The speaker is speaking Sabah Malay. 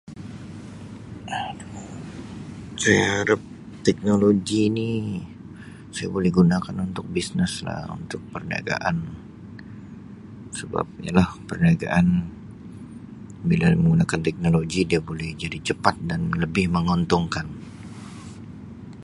Aduh saya harap teknologi ni saya boleh gunakan untuk business lah untuk perniagaan sebab yalah perniagaan bila menggunakan teknologi dia boleh jadi cepat dan lebih menguntungkan.